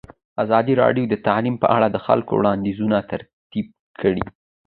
ازادي راډیو د تعلیم په اړه د خلکو وړاندیزونه ترتیب کړي.